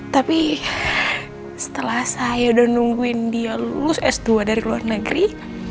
tapi setelah saya udah nungguin dia lulus s dua dari luar negeri